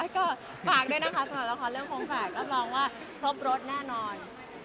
ก็ฝากด้วยนะคะสำหรับละครเรื่องโค้งแฝดรับรองว่าครบรถแน่นอน